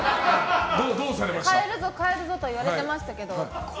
代えるぞ、代えるぞと言われてましたけど。